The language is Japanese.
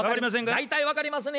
大体分かりますね。